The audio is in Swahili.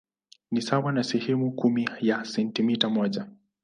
Ni sawa na sehemu ya kumi ya sentimita moja.